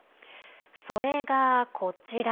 それが、こちら。